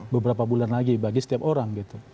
beberapa bulan lagi bagi setiap orang